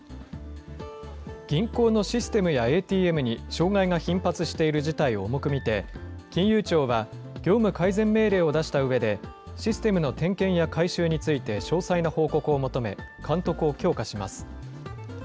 銀行のシステムやＡＴＭに障害が頻発している事態を重く見て、金融庁は業務改善命令を出したうえで、システムの点検や改修について詳細な報告を求め、監督を強化します。